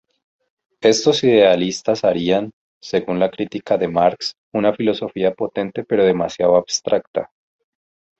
Estos idealistas harían, según la crítica de Marx, una filosofía potente, pero demasiado abstracta.